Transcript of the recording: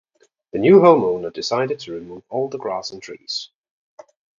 The new homeowner decided to remove all the grass and trees.